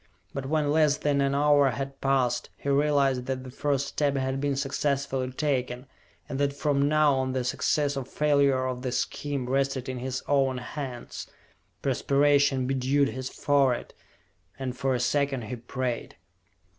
But when less than an hour had passed, he realized that the first step had been successfully taken, and that from now on the success or failure of the scheme rested in his own hands. Perspiration bedewed his forehead, and for a second he prayed.